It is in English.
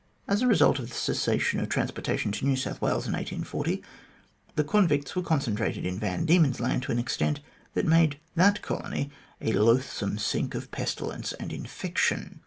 As a result of the cessation of transportation to New South Wales in 1840, the convicts were concentrated in Van Diemen's Land to an extent that made that colony a loathsome sink of pesti lence and infection.